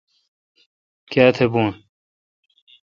کیا تہ بون،،؟